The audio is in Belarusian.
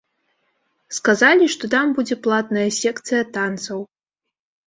Сказалі, што там будзе платная секцыя танцаў.